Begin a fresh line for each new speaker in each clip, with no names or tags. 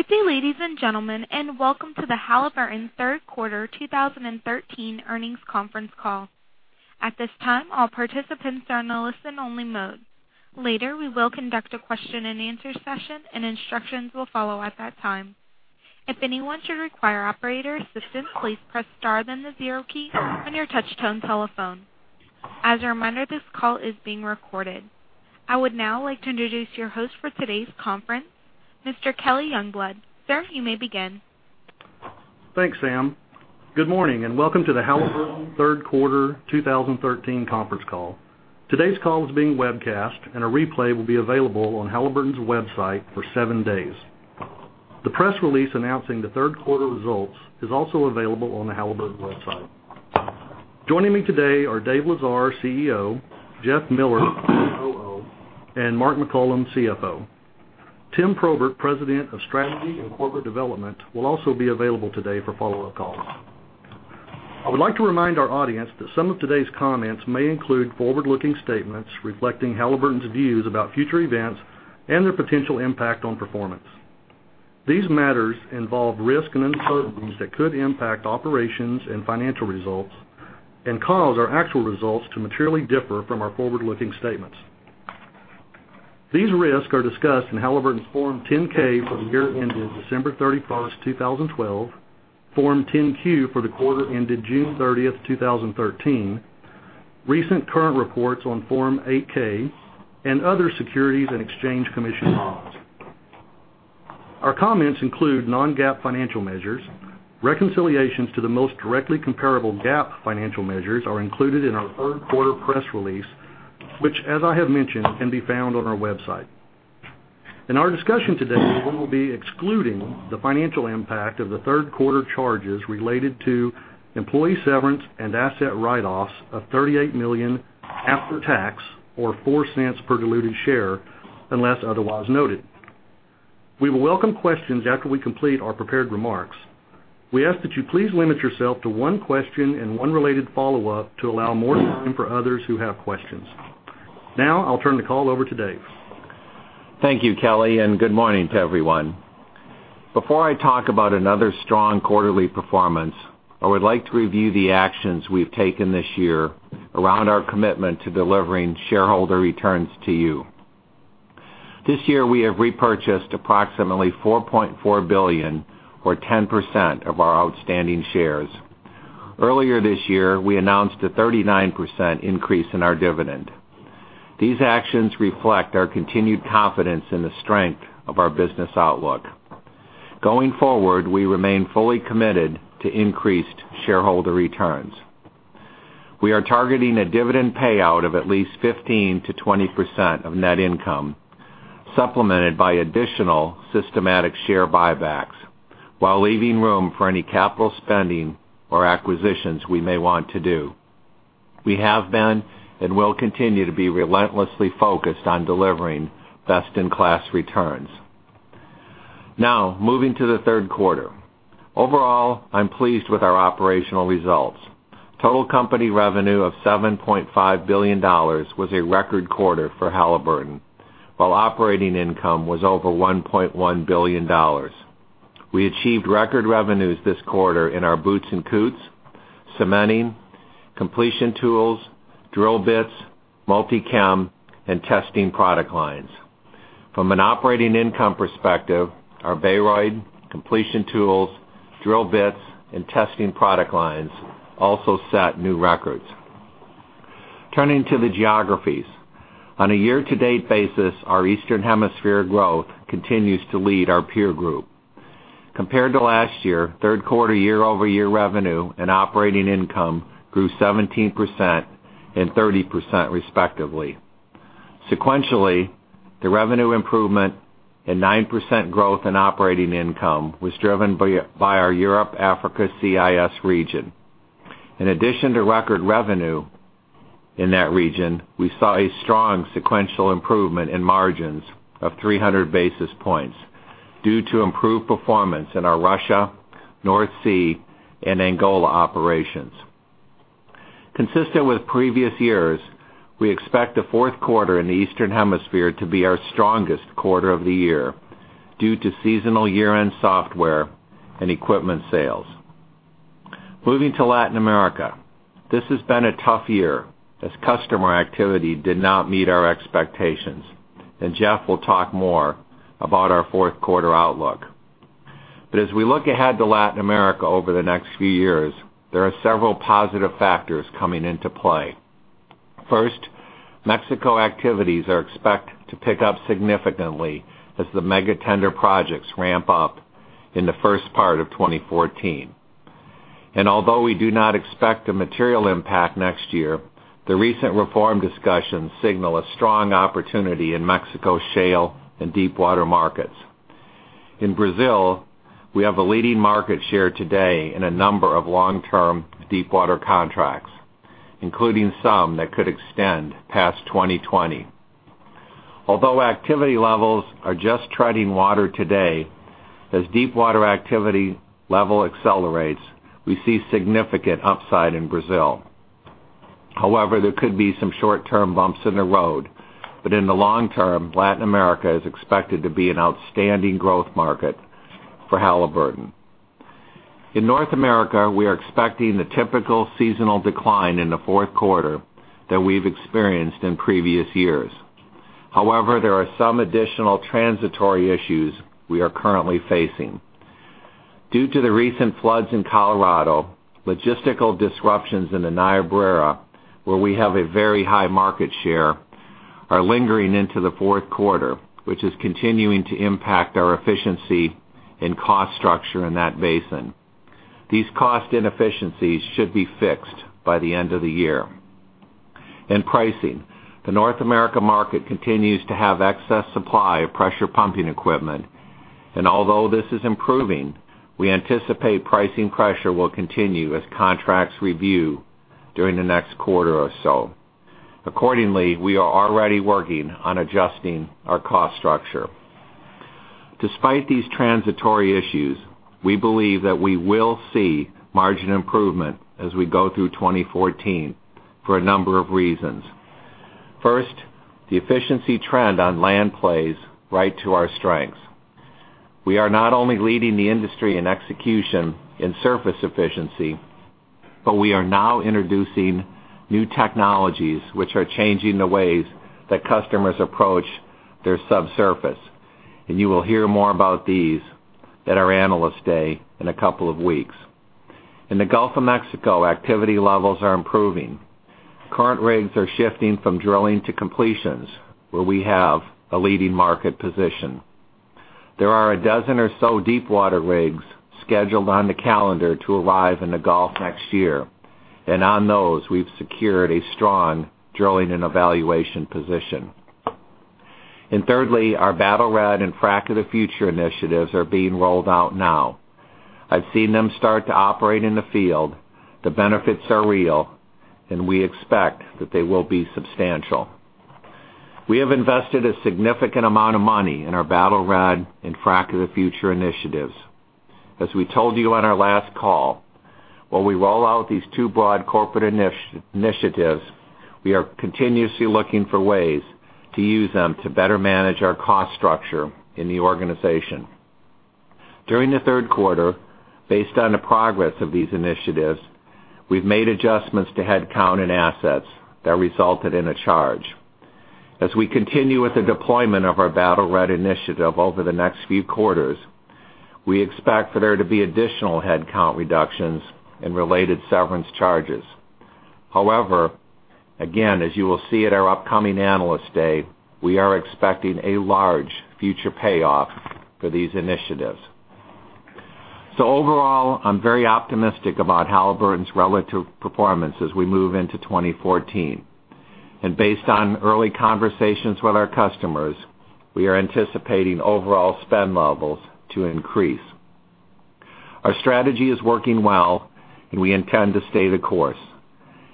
Good day, ladies and gentlemen, and welcome to the Halliburton third quarter 2013 earnings conference call. At this time, all participants are in a listen-only mode. Later, we will conduct a question-and-answer session. Instructions will follow at that time. If anyone should require operator assistance, please press star then the zero key on your touch-tone telephone. As a reminder, this call is being recorded. I would now like to introduce your host for today's conference, Mr. Kelly Youngblood. Sir, you may begin.
Thanks, Sam. Good morning and welcome to the Halliburton third quarter 2013 conference call. Today's call is being webcast. A replay will be available on halliburton.com for seven days. The press release announcing the third quarter results is also available on halliburton.com. Joining me today are Dave Lesar, CEO, Jeff Miller, COO, and Mark McCollum, CFO. Tim Probert, President of Strategy and Corporate Development, will also be available today for follow-up calls. I would like to remind our audience that some of today's comments may include forward-looking statements reflecting Halliburton's views about future events and their potential impact on performance. These matters involve risks and uncertainties that could impact operations and financial results and cause our actual results to materially differ from our forward-looking statements. These risks are discussed in Halliburton's Form 10-K for the year ended December 31, 2012, Form 10-Q for the quarter ended June 30, 2013, recent current reports on Form 8-K and other Securities and Exchange Commission filings. Our comments include non-GAAP financial measures. Reconciliations to the most directly comparable GAAP financial measures are included in our third quarter press release, which as I have mentioned, can be found on our website. In our discussion today, we will be excluding the financial impact of the third quarter charges related to employee severance and asset write-offs of $38 million after tax, or $0.04 per diluted share, unless otherwise noted. We will welcome questions after we complete our prepared remarks. We ask that you please limit yourself to one question and one related follow-up to allow more time for others who have questions. Now, I'll turn the call over to Dave.
Thank you, Kelly. Good morning to everyone. Before I talk about another strong quarterly performance, I would like to review the actions we've taken this year around our commitment to delivering shareholder returns to you. This year, we have repurchased approximately $4.4 billion or 10% of our outstanding shares. Earlier this year, we announced a 39% increase in our dividend. These actions reflect our continued confidence in the strength of our business outlook. Going forward, we remain fully committed to increased shareholder returns. We are targeting a dividend payout of at least 15%-20% of net income, supplemented by additional systematic share buybacks while leaving room for any capital spending or acquisitions we may want to do. We have been and will continue to be relentlessly focused on delivering best-in-class returns. Now, moving to the third quarter. Overall, I'm pleased with our operational results. Total company revenue of $7.5 billion was a record quarter for Halliburton, while operating income was over $1.1 billion. We achieved record revenues this quarter in our Boots & Coots, Cementing, Completion Tools, Drill Bits, Multi-Chem, and Testing product lines. From an operating income perspective, our Baroid, Completion Tools, Drill Bits, and Testing product lines also set new records. Turning to the geographies. On a year-to-date basis, our Eastern Hemisphere growth continues to lead our peer group. Compared to last year, third quarter year-over-year revenue and operating income grew 17% and 30% respectively. Sequentially, the revenue improvement and 9% growth in operating income was driven by our Europe, Africa, CIS region. In addition to record revenue in that region, we saw a strong sequential improvement in margins of 300 basis points due to improved performance in our Russia, North Sea, and Angola operations. Consistent with previous years, we expect the fourth quarter in the Eastern Hemisphere to be our strongest quarter of the year due to seasonal year-end software and equipment sales. Moving to Latin America. This has been a tough year as customer activity did not meet our expectations, and Jeff will talk more about our fourth quarter outlook. As we look ahead to Latin America over the next few years, there are several positive factors coming into play. First, Mexico activities are expected to pick up significantly as the mega tender projects ramp up in the first part of 2014. Although we do not expect a material impact next year, the recent reform discussions signal a strong opportunity in Mexico's shale and deep water markets. In Brazil, we have a leading market share today in a number of long-term deep water contracts, including some that could extend past 2020. Although activity levels are just treading water today, as deep water activity level accelerates, we see significant upside in Brazil. However, there could be some short-term bumps in the road. In the long term, Latin America is expected to be an outstanding growth market for Halliburton. In North America, we are expecting the typical seasonal decline in the fourth quarter that we've experienced in previous years. However, there are some additional transitory issues we are currently facing. Due to the recent floods in Colorado, logistical disruptions in the Niobrara, where we have a very high market share, are lingering into the fourth quarter, which is continuing to impact our efficiency and cost structure in that basin. These cost inefficiencies should be fixed by the end of the year. In pricing, the North America market continues to have excess supply of pressure pumping equipment, although this is improving, we anticipate pricing pressure will continue as contracts review during the next quarter or so. Accordingly, we are already working on adjusting our cost structure. Despite these transitory issues, we believe that we will see margin improvement as we go through 2014 for a number of reasons. First, the efficiency trend on land plays right to our strengths. We are not only leading the industry in execution in surface efficiency, but we are now introducing new technologies which are changing the ways that customers approach their subsurface, and you will hear more about these at our Analyst Day in a couple of weeks. In the Gulf of Mexico, activity levels are improving. Current rigs are shifting from drilling to completions, where we have a leading market position. There are a dozen or so deep water rigs scheduled on the calendar to arrive in the Gulf next year, and on those, we've secured a strong drilling and evaluation position. Thirdly, our Battle Red and Frac of the Future initiatives are being rolled out now. I've seen them start to operate in the field. The benefits are real, and we expect that they will be substantial. We have invested a significant amount of money in our Battle Red and Frac of the Future initiatives. As we told you on our last call, while we roll out these two broad corporate initiatives, we are continuously looking for ways to use them to better manage our cost structure in the organization. During the third quarter, based on the progress of these initiatives, we've made adjustments to headcount and assets that resulted in a charge. As we continue with the deployment of our Battle Red initiative over the next few quarters, we expect for there to be additional headcount reductions and related severance charges. However, again, as you will see at our upcoming Analyst Day, we are expecting a large future payoff for these initiatives. Overall, I'm very optimistic about Halliburton's relative performance as we move into 2014. Based on early conversations with our customers, we are anticipating overall spend levels to increase. Our strategy is working well and we intend to stay the course.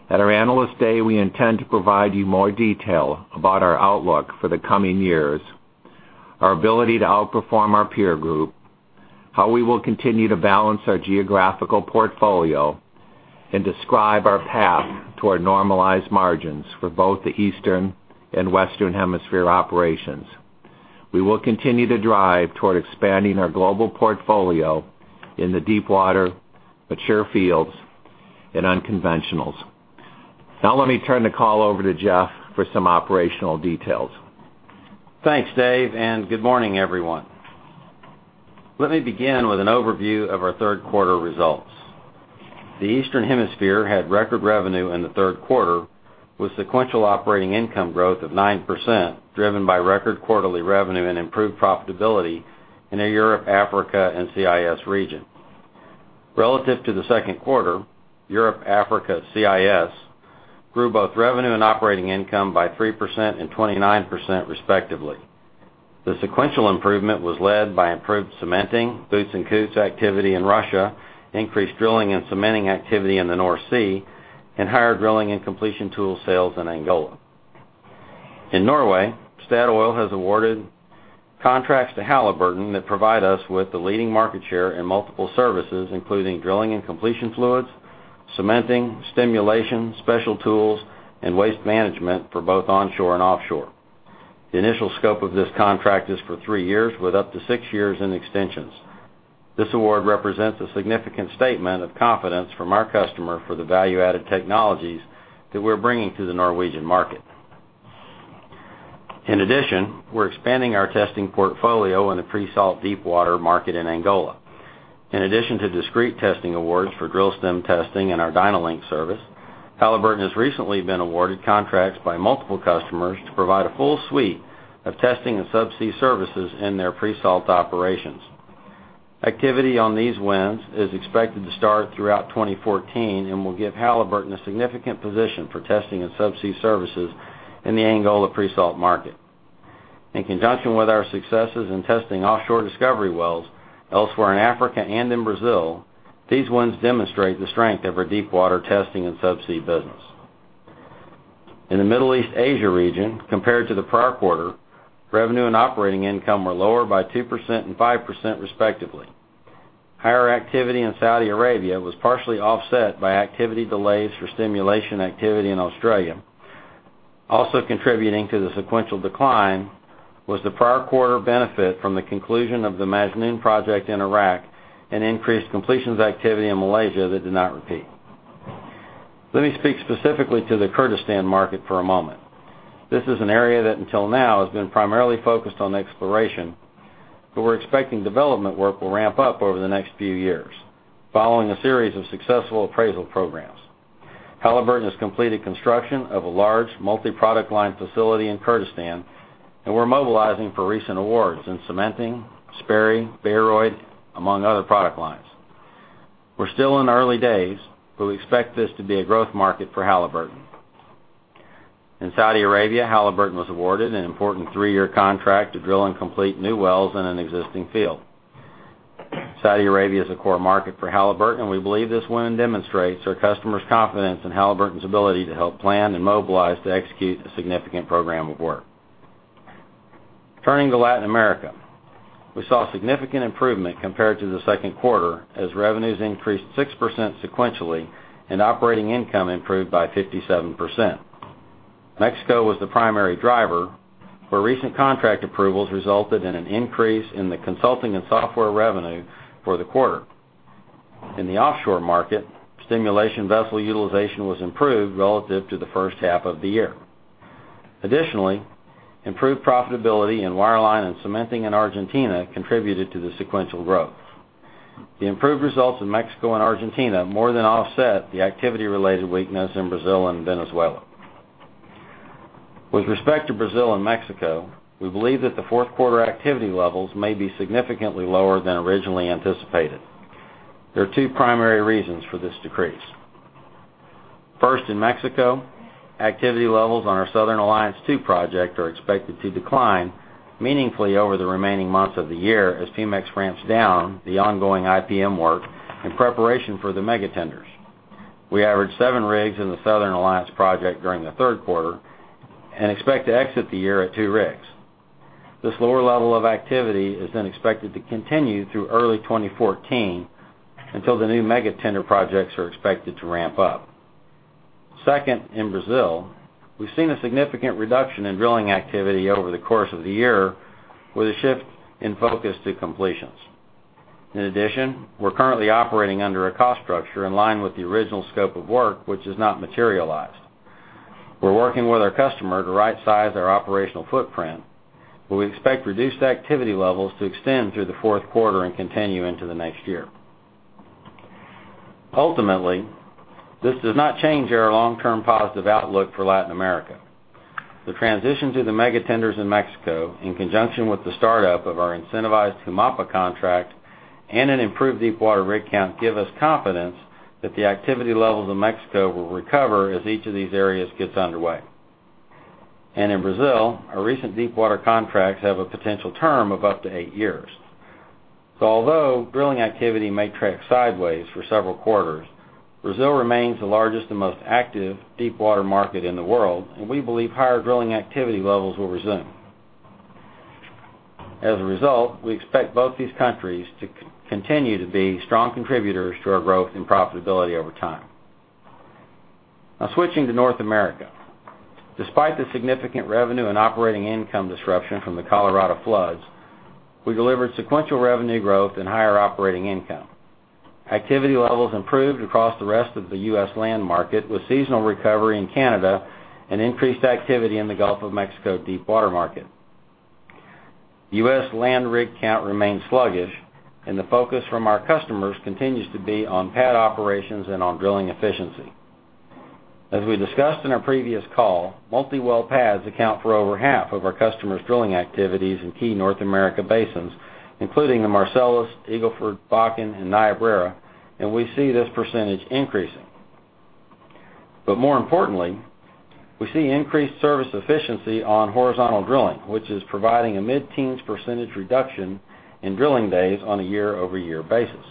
At our Analyst Day, we intend to provide you more detail about our outlook for the coming years, our ability to outperform our peer group, how we will continue to balance our geographical portfolio, and describe our path toward normalized margins for both the Eastern and Western Hemisphere operations. We will continue to drive toward expanding our global portfolio in the deepwater mature fields and unconventionals. Let me turn the call over to Jeff for some operational details.
Thanks, Dave, and good morning, everyone. Let me begin with an overview of our third quarter results. The Eastern Hemisphere had record revenue in the third quarter with sequential operating income growth of 9%, driven by record quarterly revenue and improved profitability in the Europe, Africa, and CIS region. Relative to the second quarter, Europe, Africa, CIS grew both revenue and operating income by 3% and 29% respectively. The sequential improvement was led by improved Cementing, Boots & Coots activity in Russia, increased drilling and Cementing activity in the North Sea, and higher drilling and Completion Tools sales in Angola. In Norway, Statoil has awarded contracts to Halliburton that provide us with the leading market share in multiple services, including drilling and completion fluids, Cementing, stimulation, special tools, and waste management for both onshore and offshore. The initial scope of this contract is for three years, with up to six years in extensions. This award represents a significant statement of confidence from our customer for the value-added technologies that we're bringing to the Norwegian market. In addition, we're expanding our testing portfolio in the pre-salt deepwater market in Angola. In addition to discrete testing awards for drill stem testing and our DynaLink service, Halliburton has recently been awarded contracts by multiple customers to provide a full suite of testing and subsea services in their pre-salt operations. Activity on these wins is expected to start throughout 2014 and will give Halliburton a significant position for testing and subsea services in the Angola pre-salt market. In conjunction with our successes in testing offshore discovery wells elsewhere in Africa and in Brazil, these wins demonstrate the strength of our deepwater testing and subsea business. In the Middle East/Asia region, compared to the prior quarter, revenue and operating income were lower by 2% and 5% respectively. Higher activity in Saudi Arabia was partially offset by activity delays for stimulation activity in Australia. Contributing to the sequential decline was the prior quarter benefit from the conclusion of the Majnoon project in Iraq and increased completions activity in Malaysia that did not repeat. Let me speak specifically to the Kurdistan market for a moment. This is an area that, until now, has been primarily focused on exploration, but we're expecting development work will ramp up over the next few years following a series of successful appraisal programs. Halliburton has completed construction of a large multi-product line facility in Kurdistan, and we're mobilizing for recent awards in Cementing, Sperry, Baroid, among other product lines. We're still in the early days, but we expect this to be a growth market for Halliburton. In Saudi Arabia, Halliburton was awarded an important three-year contract to drill and complete new wells in an existing field. Saudi Arabia is a core market for Halliburton, and we believe this win demonstrates our customers' confidence in Halliburton's ability to help plan and mobilize to execute a significant program of work. Turning to Latin America, we saw significant improvement compared to the second quarter as revenues increased 6% sequentially and operating income improved by 57%. Mexico was the primary driver, where recent contract approvals resulted in an increase in the consulting and software revenue for the quarter. In the offshore market, stimulation vessel utilization was improved relative to the first half of the year. Additionally, improved profitability in wireline and Cementing in Argentina contributed to the sequential growth. The improved results in Mexico and Argentina more than offset the activity-related weakness in Brazil and Venezuela. With respect to Brazil and Mexico, we believe that the fourth quarter activity levels may be significantly lower than originally anticipated. There are two primary reasons for this decrease. First, in Mexico, activity levels on our Southern Alliance 2 project are expected to decline meaningfully over the remaining months of the year as PEMEX ramps down the ongoing IPM work in preparation for the mega tenders. We averaged seven rigs in the Southern Alliance project during the third quarter and expect to exit the year at two rigs. This lower level of activity is expected to continue through early 2014 until the new mega tender projects are expected to ramp up. Second, in Brazil, we've seen a significant reduction in drilling activity over the course of the year with a shift in focus to completions. In addition, we're currently operating under a cost structure in line with the original scope of work, which has not materialized. We're working with our customer to rightsize our operational footprint, but we expect reduced activity levels to extend through the fourth quarter and continue into the next year. Ultimately, this does not change our long-term positive outlook for Latin America. The transition to the mega tenders in Mexico, in conjunction with the startup of our incentivized Jumapa contract and an improved deepwater rig count, give us confidence that the activity levels in Mexico will recover as each of these areas gets underway. In Brazil, our recent deepwater contracts have a potential term of up to eight years. Although drilling activity may track sideways for several quarters, Brazil remains the largest and most active deepwater market in the world, and we believe higher drilling activity levels will resume. As a result, we expect both these countries to continue to be strong contributors to our growth and profitability over time. Now, switching to North America. Despite the significant revenue and operating income disruption from the Colorado floods, we delivered sequential revenue growth and higher operating income. Activity levels improved across the rest of the U.S. land market, with seasonal recovery in Canada and increased activity in the Gulf of Mexico deepwater market. U.S. land rig count remains sluggish, and the focus from our customers continues to be on pad operations and on drilling efficiency. As we discussed in our previous call, multi-well pads account for over half of our customers' drilling activities in key North America basins, including the Marcellus, Eagle Ford, Bakken, and Niobrara, and we see this percentage increasing. More importantly, we see increased service efficiency on horizontal drilling, which is providing a mid-teens % reduction in drilling days on a year-over-year basis.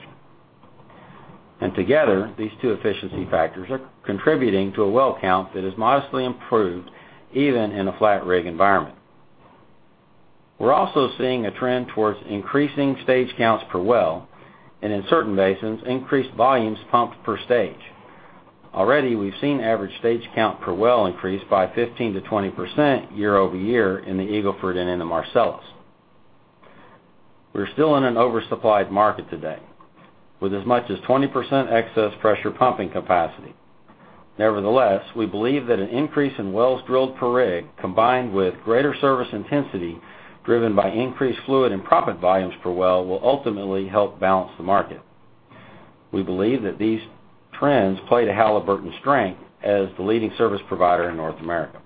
Together, these two efficiency factors are contributing to a well count that has modestly improved even in a flat rig environment. We're also seeing a trend towards increasing stage counts per well and, in certain basins, increased volumes pumped per stage. Already, we've seen average stage count per well increase by 15%-20% year-over-year in the Eagle Ford and in the Marcellus. We're still in an oversupplied market today with as much as 20% excess pressure pumping capacity. Nevertheless, we believe that an increase in wells drilled per rig, combined with greater service intensity driven by increased fluid and proppant volumes per well, will ultimately help balance the market. We believe that these trends play to Halliburton's strength as the leading service provider in North America.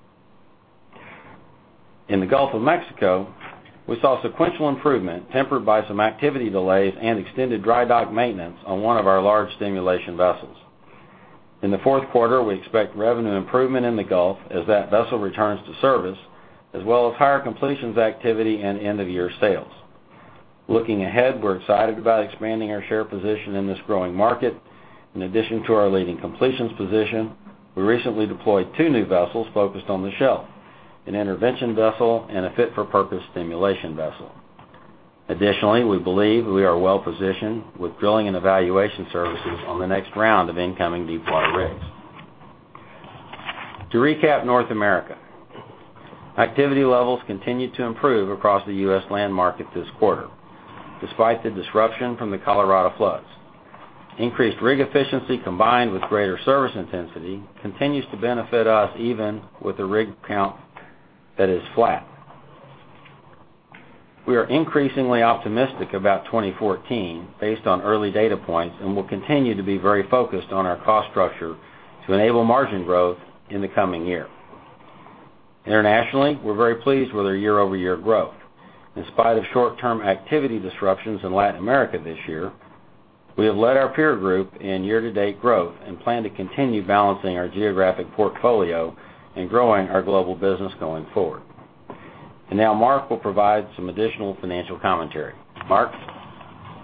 In the Gulf of Mexico, we saw sequential improvement tempered by some activity delays and extended dry dock maintenance on one of our large stimulation vessels. In the fourth quarter, we expect revenue improvement in the Gulf as that vessel returns to service, as well as higher completions activity and end-of-year sales. Looking ahead, we're excited about expanding our share position in this growing market. In addition to our leading completions position, we recently deployed two new vessels focused on the shelf, an intervention vessel, and a fit-for-purpose stimulation vessel. Additionally, we believe we are well-positioned with drilling and evaluation services on the next round of incoming deepwater rigs. To recap North America. Activity levels continued to improve across the U.S. land market this quarter, despite the disruption from the Colorado floods. Increased rig efficiency combined with greater service intensity continues to benefit us even with a rig count that is flat. We are increasingly optimistic about 2014 based on early data points, and will continue to be very focused on our cost structure to enable margin growth in the coming year. Internationally, we're very pleased with our year-over-year growth. In spite of short-term activity disruptions in Latin America this year, we have led our peer group in year-to-date growth and plan to continue balancing our geographic portfolio and growing our global business going forward. Mark will provide some additional financial commentary. Mark?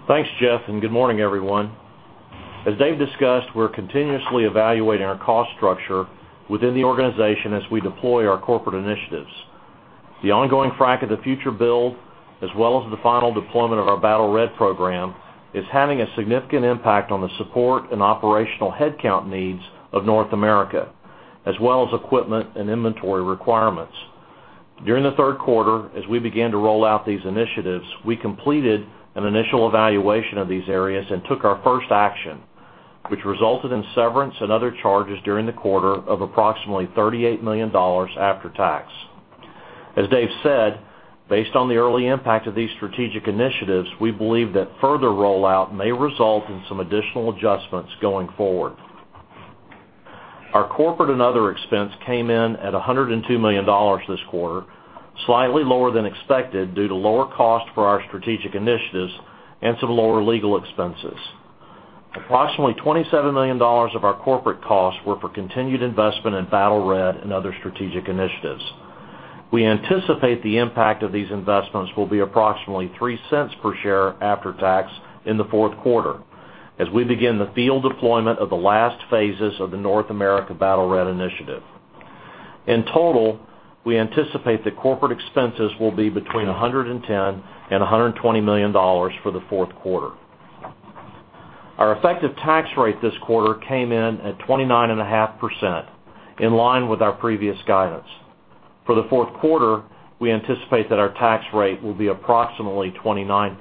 Thanks, Jeff. Good morning, everyone. As Dave discussed, we're continuously evaluating our cost structure within the organization as we deploy our corporate initiatives. The ongoing Frac of the Future build, as well as the final deployment of our Battle Red program, is having a significant impact on the support and operational headcount needs of North America, as well as equipment and inventory requirements. During the third quarter, as we began to roll out these initiatives, we completed an initial evaluation of these areas and took our first action, which resulted in severance and other charges during the quarter of approximately $38 million after tax. As Dave said, based on the early impact of these strategic initiatives, we believe that further rollout may result in some additional adjustments going forward.
Our corporate and other expense came in at $102 million this quarter, slightly lower than expected due to lower cost for our strategic initiatives and some lower legal expenses. Approximately $27 million of our corporate costs were for continued investment in Battle Red and other strategic initiatives. We anticipate the impact of these investments will be approximately $0.03 per share after tax in the fourth quarter as we begin the field deployment of the last phases of the North America Battle Red initiative. In total, we anticipate that corporate expenses will be between $110 million-$120 million for the fourth quarter. Our effective tax rate this quarter came in at 29.5%, in line with our previous guidance. For the fourth quarter, we anticipate that our tax rate will be approximately 29%.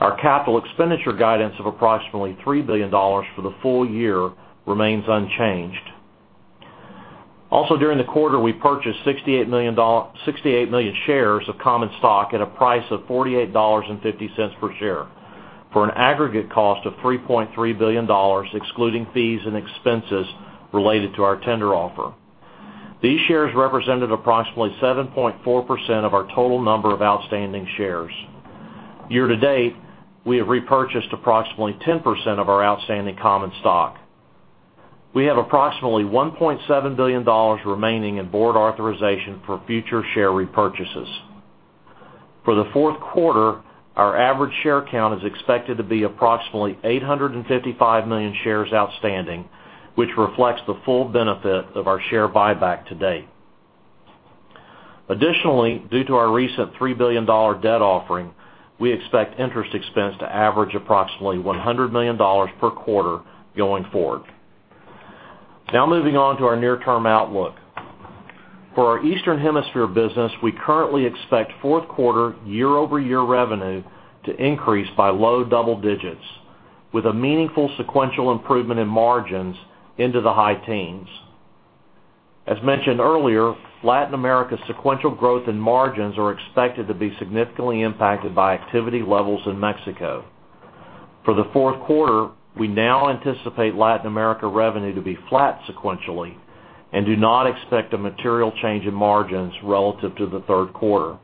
Our CapEx guidance of approximately $3 billion for the full year remains unchanged. Also, during the quarter, we purchased 68 million shares of common stock at a price of $48.50 per share for an aggregate cost of $3.3 billion, excluding fees and expenses related to our tender offer. These shares represented approximately 7.4% of our total number of outstanding shares. Year to date, we have repurchased approximately 10% of our outstanding common stock. We have approximately $1.7 billion remaining in board authorization for future share repurchases. For the fourth quarter, our average share count is expected to be approximately 855 million shares outstanding, which reflects the full benefit of our share buyback to date. Additionally, due to our recent $3 billion debt offering, we expect interest expense to average approximately $100 million per quarter going forward. Moving on to our near-term outlook. For our Eastern Hemisphere business, we currently expect fourth quarter year-over-year revenue to increase by low double digits, with a meaningful sequential improvement in margins into the high teens. As mentioned earlier, Latin America's sequential growth in margins are expected to be significantly impacted by activity levels in Mexico. For the fourth quarter, we now anticipate Latin America revenue to be flat sequentially and do not expect a material change in margins relative to the third quarter.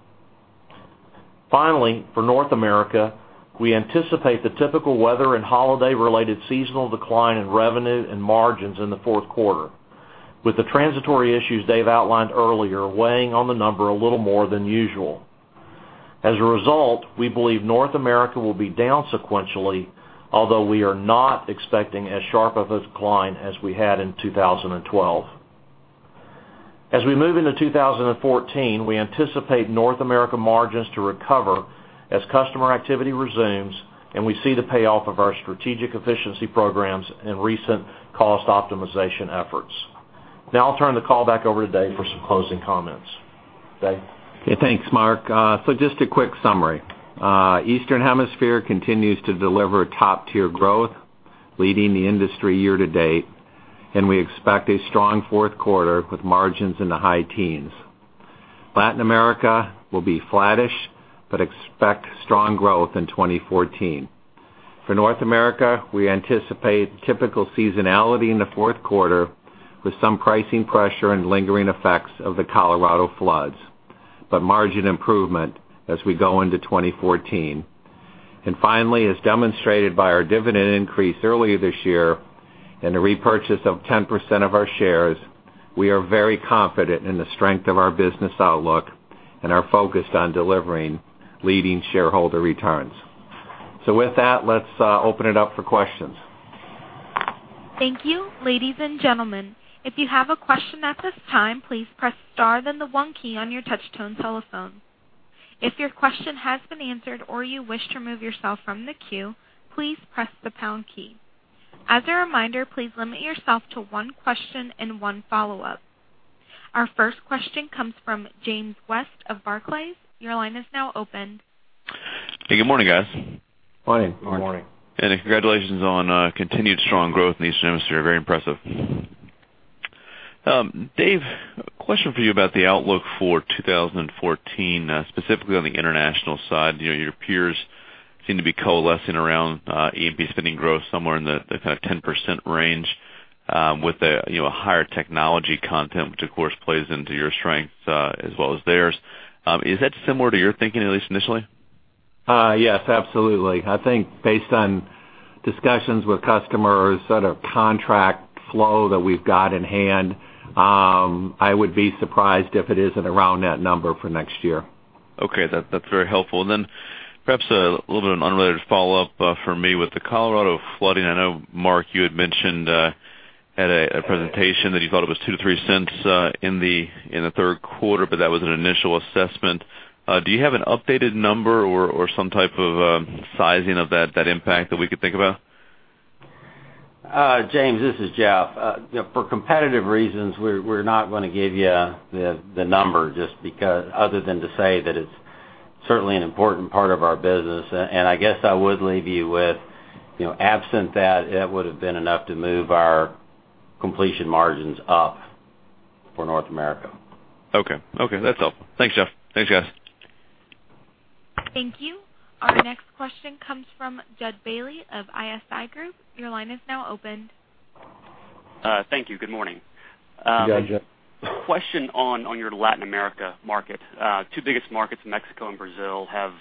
Finally, for North America, we anticipate the typical weather and holiday-related seasonal decline in revenue and margins in the fourth quarter, with the transitory issues Dave outlined earlier weighing on the number a little more than usual. As a result, we believe North America will be down sequentially, although we are not expecting as sharp of a decline as we had in 2012. As we move into 2014, we anticipate North America margins to recover as customer activity resumes and we see the payoff of our strategic efficiency programs and recent cost optimization efforts. Now I'll turn the call back over to Dave for some closing comments. Dave? Okay. Thanks, Mark. Just a quick summary. Eastern Hemisphere continues to deliver top-tier growth, leading the industry year to date, and we expect a strong fourth quarter with margins in the high teens. Latin America will be flattish, but expect strong growth in 2014. For North America, we anticipate typical seasonality in the fourth quarter, with some pricing pressure and lingering effects of the Colorado floods, but margin improvement as we go into 2014. Finally, as demonstrated by our dividend increase earlier this year and the repurchase of 10% of our shares, we are very confident in the strength of our business outlook and are focused on delivering leading shareholder returns. With that, let's open it up for questions.
Thank you. Ladies and gentlemen, if you have a question at this time, please press star then the one key on your touch-tone telephone. If your question has been answered or you wish to remove yourself from the queue, please press the pound key. As a reminder, please limit yourself to one question and one follow-up. Our first question comes from James West of Barclays. Your line is now open.
Hey, good morning, guys.
Morning.
Good morning.
Congratulations on continued strong growth in the Eastern Hemisphere. Very impressive. Dave, question for you about the outlook for 2014, specifically on the international side. Your peers seem to be coalescing around E&P spending growth somewhere in the 10% range, with a higher technology content, which of course plays into your strengths, as well as theirs. Is that similar to your thinking, at least initially?
Yes, absolutely. I think based on discussions with customers that have contract flow that we've got in hand, I would be surprised if it isn't around that number for next year.
Okay. That's very helpful. Perhaps a little bit of an unrelated follow-up for me with the Colorado flooding. I know, Mark, you had mentioned at a presentation that you thought it was $0.02-$0.03 in the third quarter, but that was an initial assessment. Do you have an updated number or some type of sizing of that impact that we could think about?
James, this is Jeff. For competitive reasons, we're not going to give you the number other than to say that it's certainly an important part of our business. I guess I would leave you with, absent that, it would have been enough to move our completion margins up for North America.
Okay. That's helpful. Thanks, Jeff. Thanks, guys.
Thank you. Our next question comes from Jud Bailey of ISI Group. Your line is now open.
Thank you. Good morning.
Good morning, Jud.
Question on your Latin America market. Two biggest markets, Mexico and Brazil, have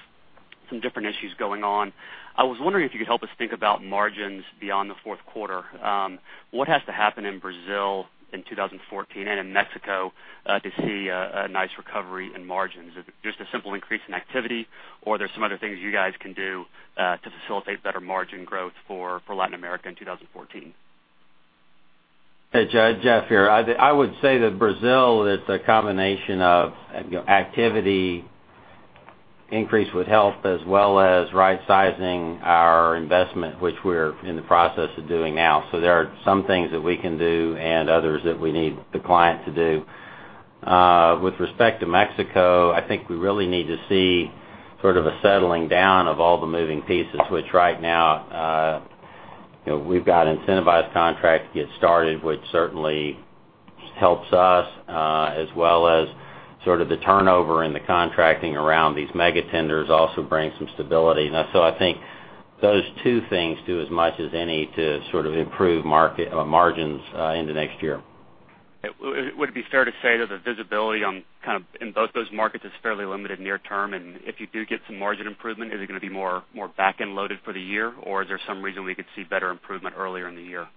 some different issues going on. I was wondering if you could help us think about margins beyond the fourth quarter. What has to happen in Brazil in 2014 and in Mexico to see a nice recovery in margins? There's some other things you guys can do to facilitate better margin growth for Latin America in 2014?
Hey, Jud. Jeff here. I would say that Brazil is a combination of activity increase would help as well as right-sizing our investment, which we're in the process of doing now. There are some things that we can do and others that we need the client to do. With respect to Mexico, I think we really need to see a settling down of all the moving pieces, which right now, we've got incentivized contract to get started, which certainly helps us, as well as the turnover in the contracting around these mega tenders also brings some stability. I think those two things do as much as any to improve margins into next year.
Would it be fair to say that the visibility in both those markets is fairly limited near term? If you do get some margin improvement, is it going to be more back-end loaded for the year? Is there some reason we could see better improvement earlier in the year?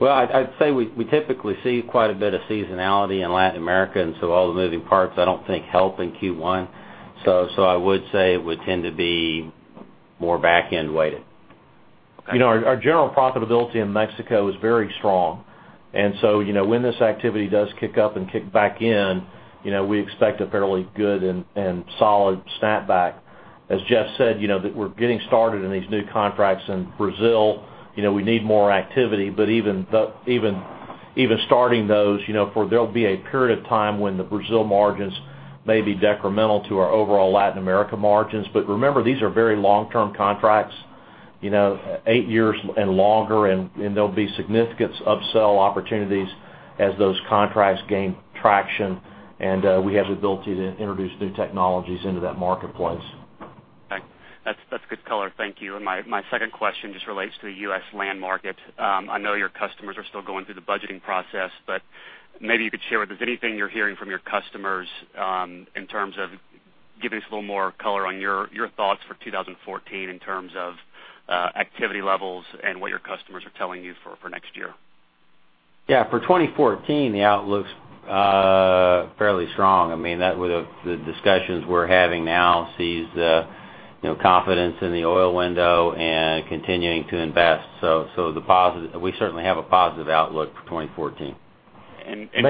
Well, I'd say we typically see quite a bit of seasonality in Latin America. All the moving parts I don't think help in Q1. I would say it would tend to be more back-end weighted.
Our general profitability in Mexico is very strong. When this activity does kick up and kick back in, we expect a fairly good and solid snapback. As Jeff said, that we're getting started in these new contracts in Brazil. We need more activity, but even starting those, there'll be a period of time when the Brazil margins may be detrimental to our overall Latin America margins. Remember, these are very long-term contracts, eight years and longer, and there'll be significant upsell opportunities as those contracts gain traction, and we have the ability to introduce new technologies into that marketplace.
Right. That's good color. Thank you. My second question just relates to the U.S. land market. I know your customers are still going through the budgeting process, but maybe you could share if there's anything you're hearing from your customers in terms of giving us a little more color on your thoughts for 2014, in terms of activity levels and what your customers are telling you for next year.
For 2014, the outlook's fairly strong. The discussions we're having now sees confidence in the oil window and continuing to invest. We certainly have a positive outlook for 2014.
It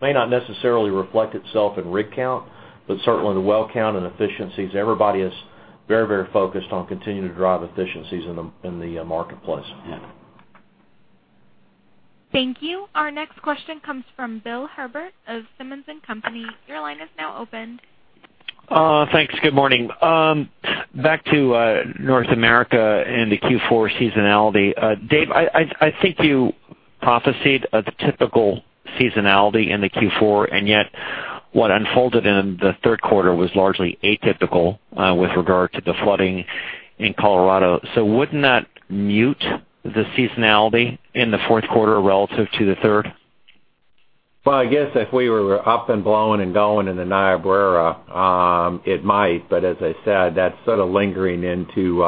may not necessarily reflect itself in rig count, but certainly in the well count and efficiencies. Everybody is very focused on continuing to drive efficiencies in the marketplace.
Yeah.
Thank you. Our next question comes from Bill Herbert of Simmons & Company. Your line is now open.
Thanks. Good morning. Back to North America and the Q4 seasonality. Dave, I think you prophesied a typical seasonality in the Q4, and yet what unfolded in the third quarter was largely atypical with regard to the flooding in Colorado. Wouldn't that mute the seasonality in the fourth quarter relative to the third?
Well, I guess if we were up and blowing and going in the Niobrara, it might. As I said, that's sort of lingering into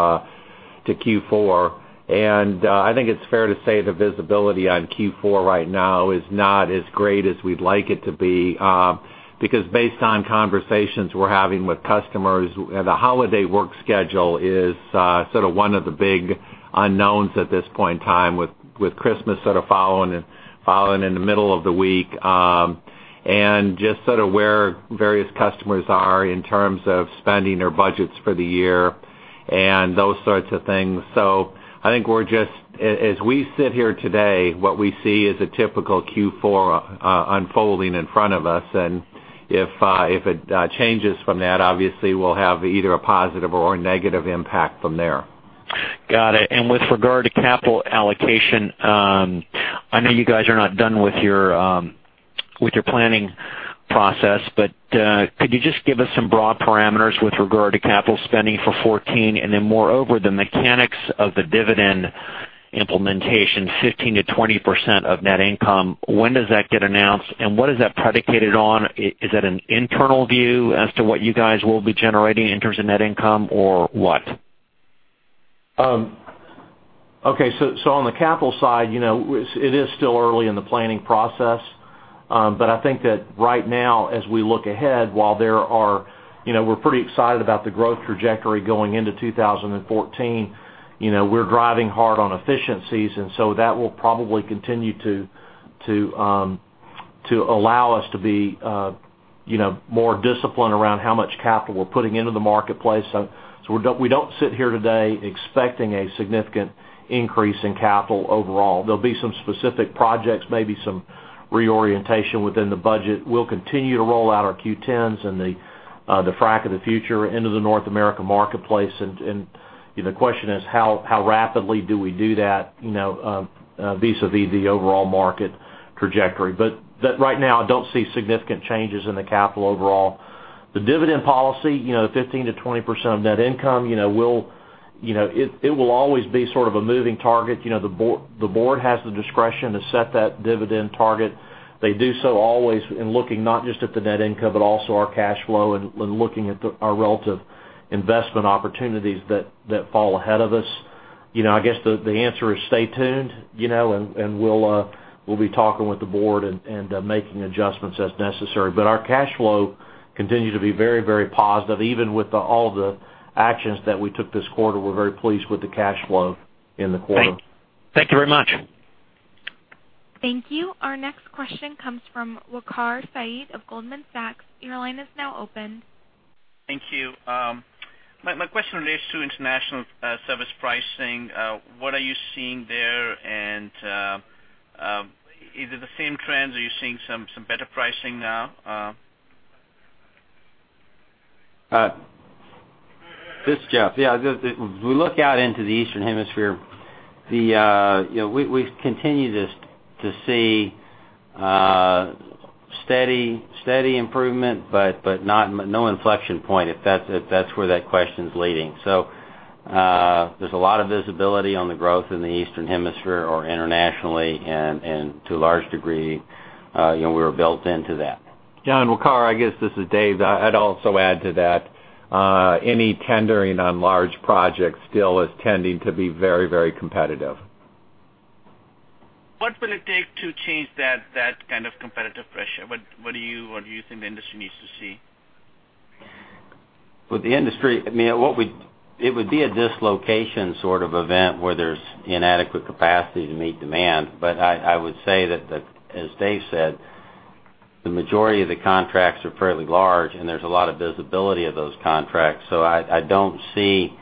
To Q4. I think it's fair to say the visibility on Q4 right now is not as great as we'd like it to be. Based on conversations we're having with customers, the holiday work schedule is one of the big unknowns at this point in time, with Christmas falling in the middle of the week. Just where various customers are in terms of spending their budgets for the year, and those sorts of things. I think as we sit here today, what we see is a typical Q4 unfolding in front of us. If it changes from that, obviously we'll have either a positive or a negative impact from there.
Got it. With regard to capital allocation, I know you guys are not done with your planning process, but could you just give us some broad parameters with regard to capital spending for 2014? Moreover, the mechanics of the dividend implementation, 15%-20% of net income, when does that get announced and what is that predicated on? Is that an internal view as to what you guys will be generating in terms of net income or what?
Okay. On the capital side, it is still early in the planning process. I think that right now, as we look ahead, we're pretty excited about the growth trajectory going into 2014. We're driving hard on efficiencies, that will probably continue to allow us to be more disciplined around how much capital we're putting into the marketplace. We don't sit here today expecting a significant increase in capital overall. There'll be some specific projects, maybe some reorientation within the budget. We'll continue to roll out our Q10 and the Frac of the Future into the North America marketplace. The question is how rapidly do we do that vis-à-vis the overall market trajectory. Right now, I don't see significant changes in the capital overall. The dividend policy, 15%-20% of net income, it will always be sort of a moving target. The board has the discretion to set that dividend target. They do so always in looking not just at the net income, but also our cash flow and looking at our relative investment opportunities that fall ahead of us. I guess the answer is stay tuned, and we'll be talking with the board and making adjustments as necessary. Our cash flow continues to be very positive. Even with all the actions that we took this quarter, we're very pleased with the cash flow in the quarter.
Thank you very much.
Thank you. Our next question comes from Waqar Syed of Goldman Sachs. Your line is now open.
Thank you. My question relates to international service pricing. What are you seeing there? Is it the same trends? Are you seeing some better pricing now?
This is Jeff. Yeah. We look out into the Eastern Hemisphere. We've continued to see steady improvement, but no inflection point, if that's where that question's leading. There's a lot of visibility on the growth in the Eastern Hemisphere or internationally, and to a large degree we're built into that.
And Waqar, I guess this is Dave. I'd also add to that any tendering on large projects still is tending to be very competitive.
What will it take to change that kind of competitive pressure? What do you think the industry needs to see?
It would be a dislocation sort of event where there's inadequate capacity to meet demand. I would say that, as Dave said, the majority of the contracts are fairly large, and there's a lot of visibility of those contracts. I don't see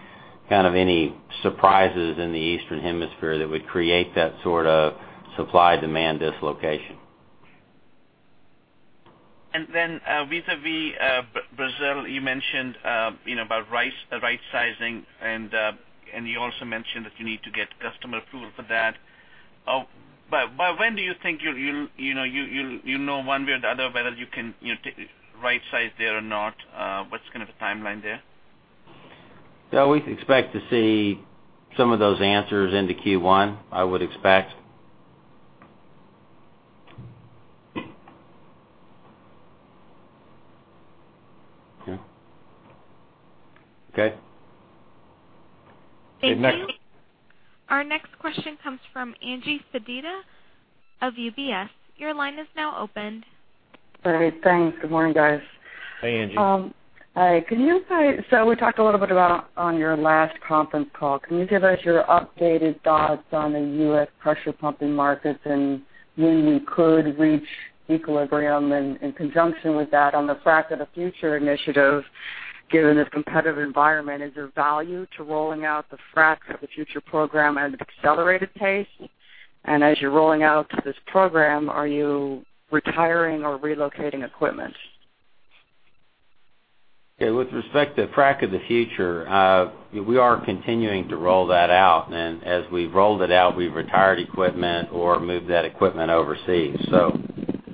any surprises in the Eastern Hemisphere that would create that sort of supply-demand dislocation.
Vis-à-vis Brazil, you mentioned about right sizing, and you also mentioned that you need to get customer approval for that. By when do you think you'll know one way or the other whether you can right size there or not? What's kind of the timeline there?
We expect to see some of those answers into Q1, I would expect. Okay.
Thank you.
Next.
Our next question comes from Angeline Sedita of UBS. Your line is now open.
Great. Thanks. Good morning, guys.
Hey, Angeline.
Hi. We talked a little bit about on your last conference call. Can you give us your updated thoughts on the U.S. pressure pumping markets and when you could reach equilibrium? In conjunction with that, on the Frac of the Future initiative, given this competitive environment, is there value to rolling out the Frac of the Future program at an accelerated pace? As you're rolling out this program, are you retiring or relocating equipment?
Okay, with respect to Frac of the Future, we are continuing to roll that out. As we've rolled it out, we've retired equipment or moved that equipment overseas.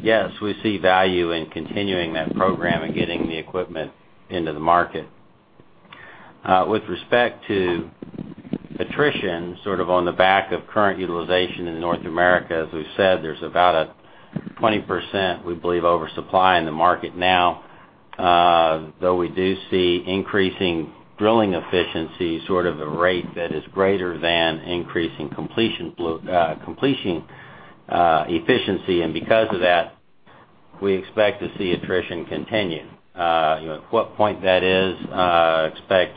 Yes, we see value in continuing that program and getting the equipment into the market. With respect to attrition, sort of on the back of current utilization in North America, as we've said, there's about a 20%, we believe, oversupply in the market now
We do see increasing drilling efficiency sort of a rate that is greater than increasing completion efficiency. Because of that, we expect to see attrition continue. At what point that is, expect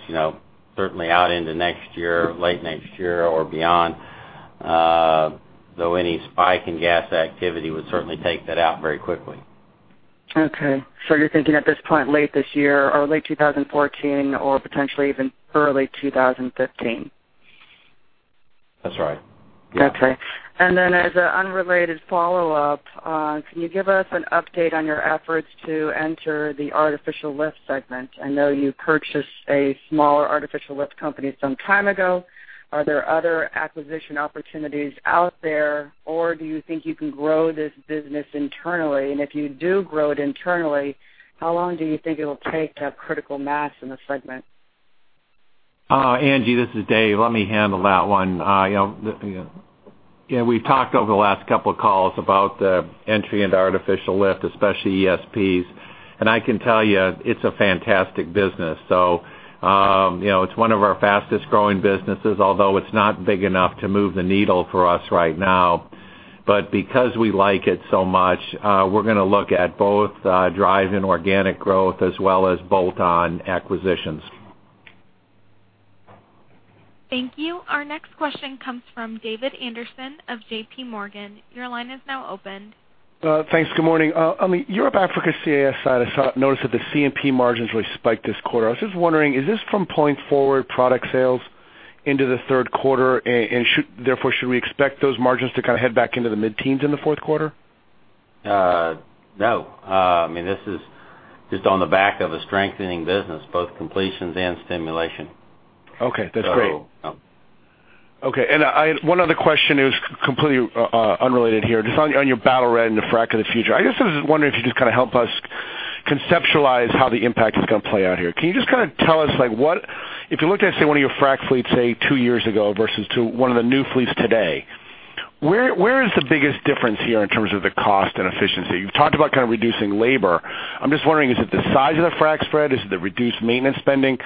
certainly out into next year, late next year or beyond. Any spike in gas activity would certainly take that out very quickly.
Okay. You're thinking at this point, late this year or late 2014, or potentially even early 2015?
That's right. Yeah.
That's right. As an unrelated follow-up, can you give us an update on your efforts to enter the artificial lift segment? I know you purchased a smaller artificial lift company some time ago. Are there other acquisition opportunities out there, or do you think you can grow this business internally? If you do grow it internally, how long do you think it'll take to have critical mass in the segment?
Angie, this is Dave. Let me handle that one. We've talked over the last couple of calls about the entry into artificial lift, especially ESPs. I can tell you, it's a fantastic business. It's one of our fastest growing businesses, although it's not big enough to move the needle for us right now. Because we like it so much, we're going to look at both drive and organic growth as well as bolt-on acquisitions.
Thank you. Our next question comes from David Anderson of JPMorgan. Your line is now open.
Thanks. Good morning. On the Europe-Africa/CIS side, I noticed that the C&P margins really spiked this quarter. I was just wondering, is this from pulling forward product sales into the third quarter, and therefore, should we expect those margins to kind of head back into the mid-teens in the fourth quarter?
No. This is just on the back of a strengthening business, both completions and stimulation.
Okay. That's great.
No.
Okay. One other question is completely unrelated here. Just on your Battle Red and the Frac of the Future. I just was wondering if you just kind of help us conceptualize how the impact is going to play out here. Can you just kind of tell us, if you looked at, say, one of your frac fleets, say, two years ago versus to one of the new fleets today, where is the biggest difference here in terms of the cost and efficiency? You've talked about kind of reducing labor. I'm just wondering, is it the size of the frac spread? Is it the reduced maintenance spending?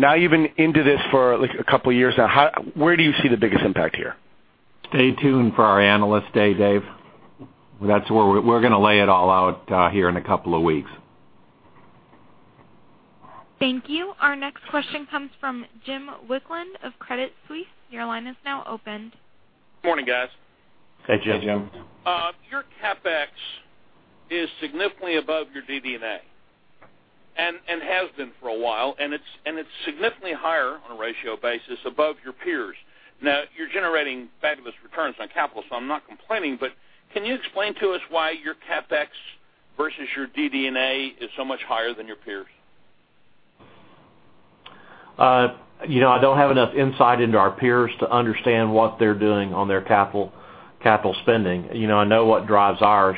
Now you've been into this for a couple of years now. Where do you see the biggest impact here?
Stay tuned for our Analyst Day, Dave. We're going to lay it all out here in a couple of weeks.
Thank you. Our next question comes from James Wicklund of Credit Suisse. Your line is now open.
Morning, guys.
Hey, Jim.
Jim.
CapEx is significantly above your DD&A and has been for a while. It's significantly higher on a ratio basis above your peers. You're generating fabulous returns on capital, I'm not complaining, but can you explain to us why your CapEx versus your DD&A is so much higher than your peers?
I don't have enough insight into our peers to understand what they're doing on their capital spending. I know what drives ours.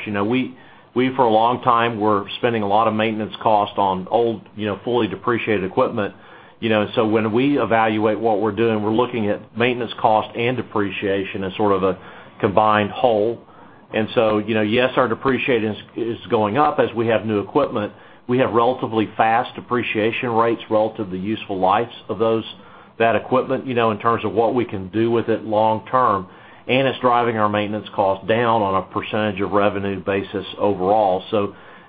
We, for a long time, were spending a lot of maintenance cost on old, fully depreciated equipment. When we evaluate what we're doing, we're looking at maintenance cost and depreciation as sort of a combined whole. Yes, our depreciation is going up as we have new equipment. We have relatively fast depreciation rates relative to useful lives of that equipment, in terms of what we can do with it long term. It's driving our maintenance cost down on a percentage of revenue basis overall.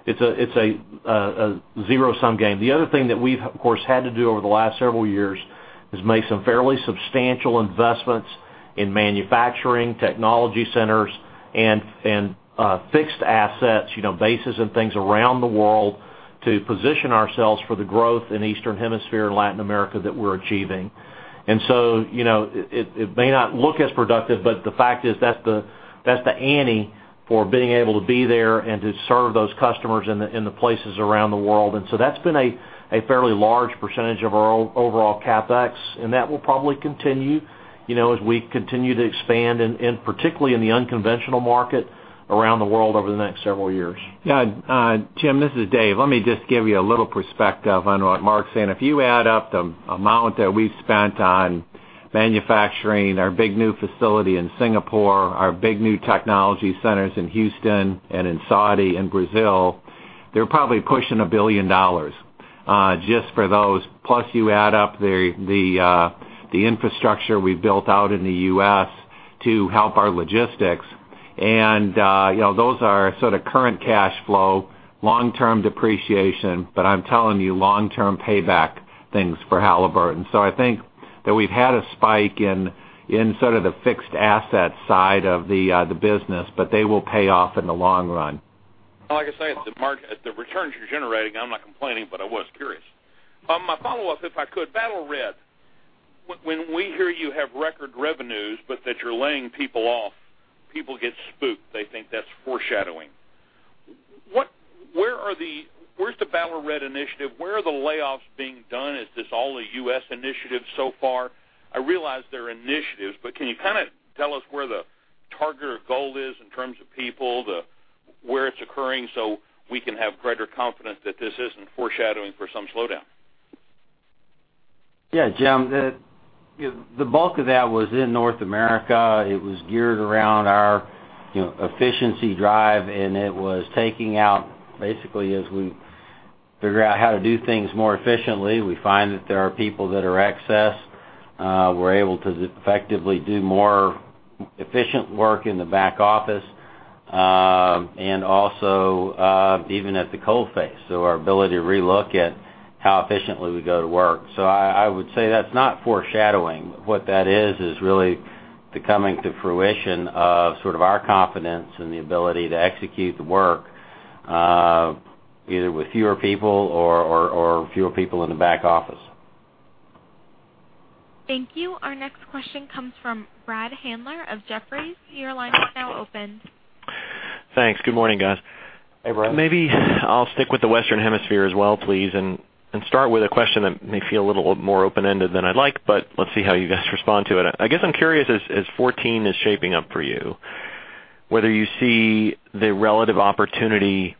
It's a zero-sum game. The other thing that we've, of course, had to do over the last several years is make some fairly substantial investments in manufacturing technology centers and fixed assets, bases and things around the world to position ourselves for the growth in Eastern Hemisphere and Latin America that we're achieving. It may not look as productive, but the fact is that's the ante for being able to be there and to serve those customers in the places around the world. That's been a fairly large percentage of our overall CapEx, and that will probably continue as we continue to expand, and particularly in the unconventional market around the world over the next several years.
Yeah. Jim, this is Dave. Let me just give you a little perspective on what Mark's saying. If you add up the amount that we've spent on manufacturing our big new facility in Singapore, our big new technology centers in Houston and in Saudi and Brazil, they're probably pushing $1 billion just for those, plus you add up the infrastructure we built out in the U.S. to help our logistics. Those are sort of current cash flow, long-term depreciation, but I'm telling you, long-term payback things for Halliburton. I think that we've had a spike in sort of the fixed asset side of the business, but they will pay off in the long run.
Like I say, at the returns you're generating, I'm not complaining, but I was curious. My follow-up, if I could. Battle Red. When we hear you have record revenues, but that you're laying people off, people get spooked. They think that's foreshadowing. Where's the Battle Red initiative? Where are the layoffs being done? Is this all a U.S. initiative so far? I realize they're initiatives, but can you kind of tell us where the target or goal is in terms of people, where it's occurring so we can have greater confidence that this isn't foreshadowing for some slowdown?
Yeah, Jim, the bulk of that was in North America. It was geared around our efficiency drive, and it was taking out, basically as we figure out how to do things more efficiently, we find that there are people that are excess. We're able to effectively do more efficient work in the back office, and also even at the coal face. Our ability to relook at how efficiently we go to work. I would say that's not foreshadowing. What that is really the coming to fruition of sort of our confidence in the ability to execute the work, either with fewer people or fewer people in the back office.
Thank you. Our next question comes from Brad Handler of Jefferies. Your line is now open.
Thanks. Good morning, guys.
Hey, Brad.
Maybe I'll stick with the Western Hemisphere as well, please, start with a question that may feel a little more open-ended than I'd like, let's see how you guys respond to it. I guess I'm curious, as 2014 is shaping up for you, whether you see the relative opportunity.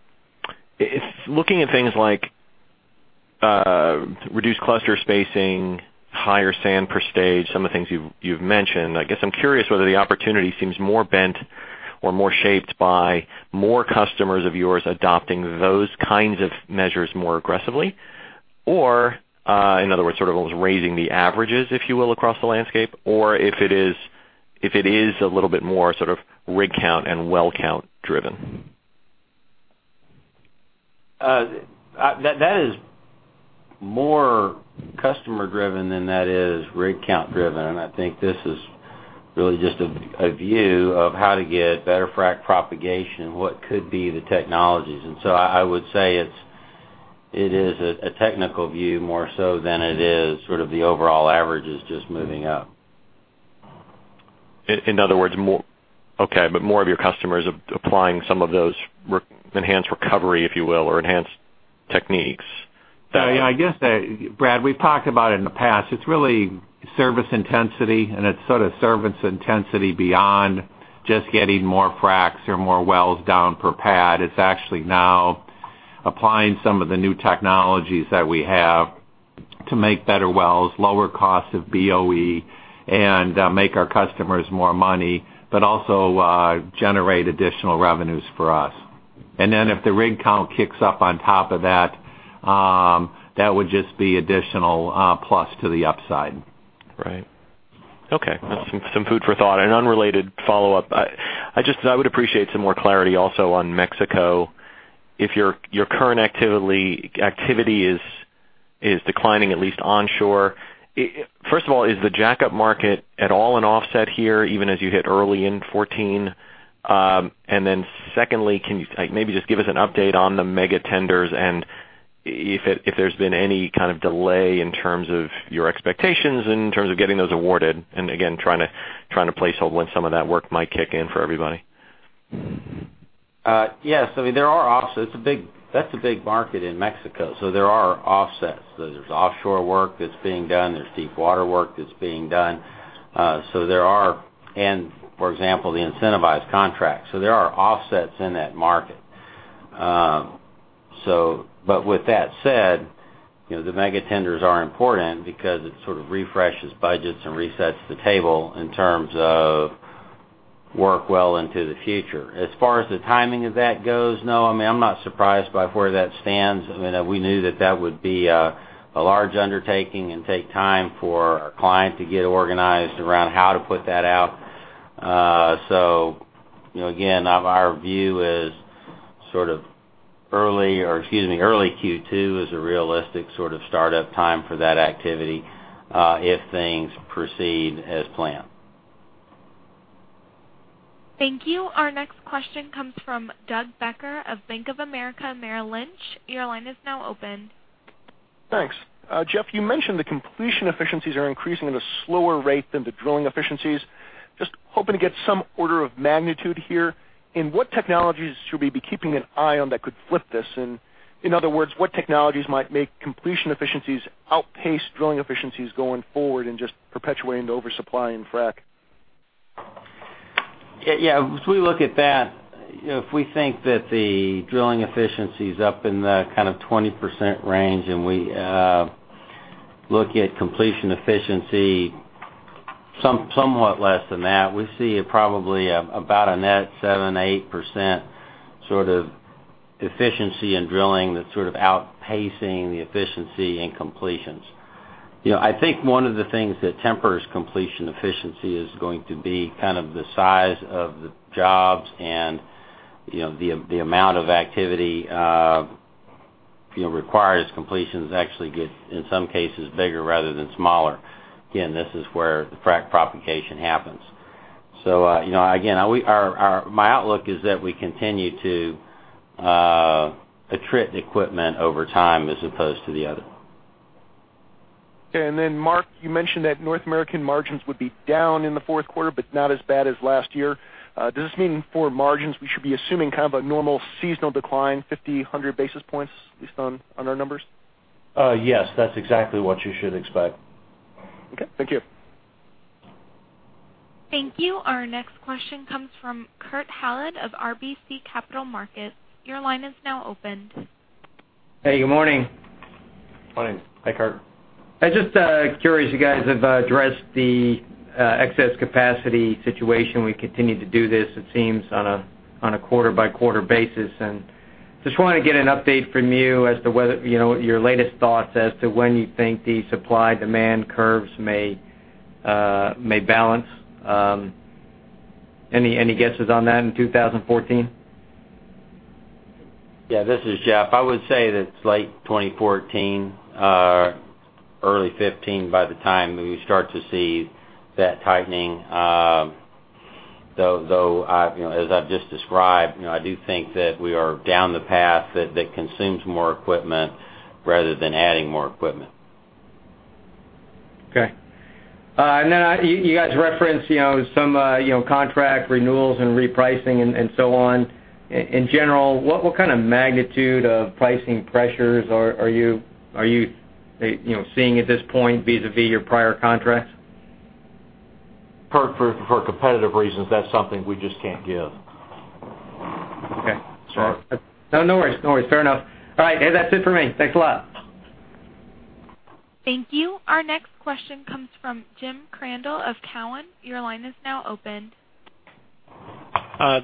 Looking at things like reduced cluster spacing, higher sand per stage, some of the things you've mentioned, I guess I'm curious whether the opportunity seems more bent or more shaped by more customers of yours adopting those kinds of measures more aggressively, or, in other words, sort of almost raising the averages, if you will, across the landscape, or if it is a little bit more sort of rig count and well count driven.
That is more customer driven than that is rig count driven, I think this is really just a view of how to get better frac propagation, what could be the technologies. So I would say it is a technical view more so than it is sort of the overall average is just moving up.
In other words, okay, more of your customers applying some of those enhanced recovery, if you will, or enhanced techniques.
I guess, Brad, we've talked about it in the past. It's really service intensity, and it's sort of service intensity beyond just getting more fracs or more wells down per pad. It's actually now applying some of the new technologies that we have to make better wells, lower cost of BOE, and make our customers more money, but also generate additional revenues for us. Then if the rig count kicks up on top of that would just be additional plus to the upside.
Right. Okay. Some food for thought. An unrelated follow-up. I would appreciate some more clarity also on Mexico, if your current activity is declining, at least onshore. First of all, is the jackup market at all an offset here, even as you hit early in 2014? Then secondly, can you maybe just give us an update on the mega tenders and if there's been any kind of delay in terms of your expectations in terms of getting those awarded, and again, trying to place hold when some of that work might kick in for everybody.
Yes. That's a big market in Mexico, there are offsets. There's offshore work that's being done. There's deep water work that's being done. For example, the incentivized contracts. There are offsets in that market. With that said, the mega tenders are important because it sort of refreshes budgets and resets the table in terms of work well into the future. As far as the timing of that goes, no, I'm not surprised by where that stands. We knew that that would be a large undertaking and take time for our client to get organized around how to put that out. Again, our view is early Q2 is a realistic sort of startup time for that activity, if things proceed as planned.
Thank you. Our next question comes from Doug Becker of Bank of America Merrill Lynch. Your line is now open.
Thanks. Jeff, you mentioned the completion efficiencies are increasing at a slower rate than the drilling efficiencies. Just hoping to get some order of magnitude here. In what technologies should we be keeping an eye on that could flip this? In other words, what technologies might make completion efficiencies outpace drilling efficiencies going forward and just perpetuating the oversupply in frack?
Yeah. As we look at that, if we think that the drilling efficiency's up in the kind of 20% range, and we look at completion efficiency somewhat less than that, we see probably about a net 7%, 8% sort of efficiency in drilling that's sort of outpacing the efficiency in completions. I think one of the things that tempers completion efficiency is going to be kind of the size of the jobs and the amount of activity required as completions actually get, in some cases, bigger rather than smaller. Again, this is where the frack propagation happens. Again, my outlook is that we continue to attrit equipment over time as opposed to the other.
Okay. Mark, you mentioned that North American margins would be down in the fourth quarter, but not as bad as last year. Does this mean for margins we should be assuming kind of a normal seasonal decline, 50, 100 basis points, at least on our numbers?
Yes. That's exactly what you should expect.
Okay. Thank you.
Thank you. Our next question comes from Kurt Hallead of RBC Capital Markets. Your line is now open.
Hey, good morning.
Morning. Hi, Kurt.
I was just curious, you guys have addressed the excess capacity situation. We continue to do this, it seems, on a quarter-by-quarter basis. Just want to get an update from you as to your latest thoughts as to when you think the supply-demand curves may balance. Any guesses on that in 2014?
Yeah. This is Jeff. I would say that it's late 2014, early 2015 by the time we start to see that tightening. Though, as I've just described, I do think that we are down the path that consumes more equipment rather than adding more equipment.
Okay. Then you guys referenced some contract renewals and repricing and so on. In general, what kind of magnitude of pricing pressures are you seeing at this point vis-a-vis your prior contracts?
For competitive reasons, that's something we just can't give. Okay. Sorry.
No, no worries. Fair enough. All right. Hey, that's it for me. Thanks a lot.
Thank you. Our next question comes from Jim Crandell of Cowen. Your line is now open.